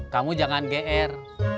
kamu jangan gr